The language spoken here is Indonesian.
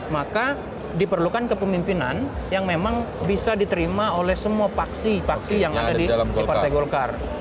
maka diperlukan kepemimpinan yang memang bisa diterima oleh semua paksi paksi yang ada di partai golkar